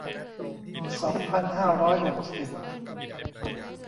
สองพันห้าร้อยหกสิบ